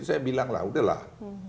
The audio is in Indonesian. saya bilanglah udahlah